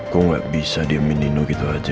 gue gak bisa dieminin nino gitu aja